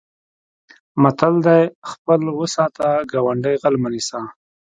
متل دی: خپل و ساته ګاونډی غل مه نیسه.